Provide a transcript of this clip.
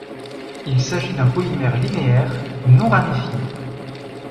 Il s'agit d'un polymère linéaire, non ramifié.